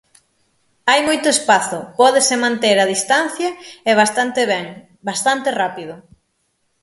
Hai moito espazo, pódese manter a distancia e bastante ben, bastante rápido.